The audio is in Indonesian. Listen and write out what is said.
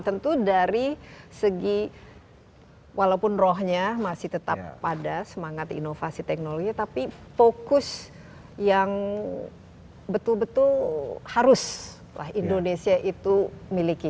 tentu dari segi walaupun rohnya masih tetap pada semangat inovasi teknologi tapi fokus yang betul betul haruslah indonesia itu miliki